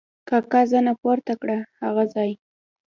کاکا زنه پورته کړه: هغه ځای!